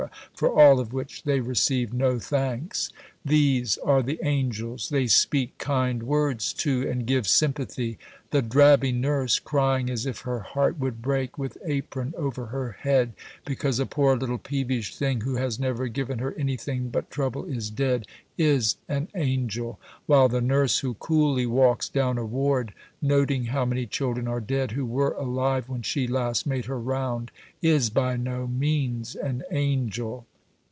for all of which they receive no thanks. These are the Angels. They speak kind words too, and give sympathy. The drabby Nurse, crying as if her heart would break, with apron over her head, because a poor little peevish thing who has never given her anything but trouble is dead is an Angel; while the nurse who coolly walks down a Ward noting how many children are dead who were alive when she last made her round, is by no means an Angel."